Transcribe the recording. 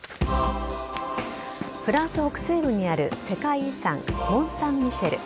フランス北西部にある世界遺産モンサンミシェル。